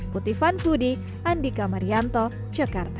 puti fanfudi andika marianto jakarta